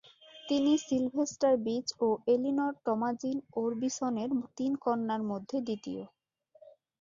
তিনি Sylvester Beach ও Eleanor Tomasine ওরবিসনের তিন কন্যার মধ্যে দ্বিতীয়।